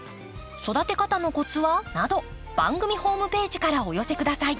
育て方のコツは？など番組ホームページからお寄せ下さい。